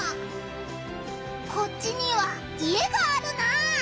こっちには家があるなあ。